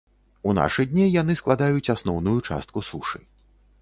У нашы дні яны складаюць асноўную частку сушы.